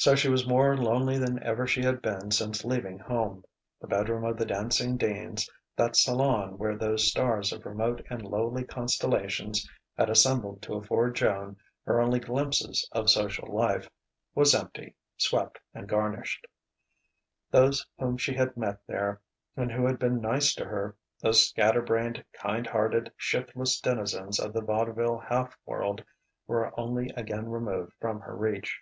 So she was more lonely than ever she had been since leaving home. The bedroom of the Dancing Deans, that salon where those stars of remote and lowly constellations had assembled to afford Joan her only glimpses of social life, was empty, swept and garnished. Those whom she had met there, and who had been nice to her, those scatter brained, kind hearted, shiftless denizens of the vaudeville half world, were once again removed from her reach.